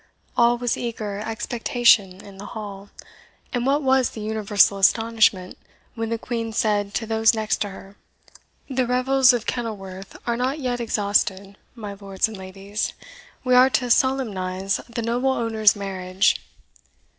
All was eager expectation in the hall, and what was the universal astonishment when the Queen said to those next her, "The revels of Kenilworth are not yet exhausted, my lords and ladies we are to solemnize the noble owner's marriage."